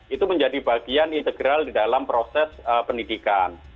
itu menjadi bagian integral di dalam proses pendidikan